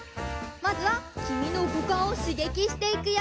まずはきみのごかんをしげきしていくよ！